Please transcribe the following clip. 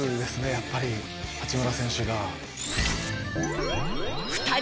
やっぱり八村選手が。